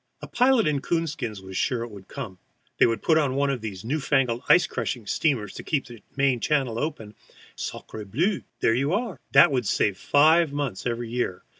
A pilot in coon skins was sure it would come; they would put on one of these new fangled ice crunching steamers to keep the main channel open, and, sacré bleu, there you are! That would save five months every year.